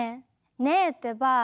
ねえってば！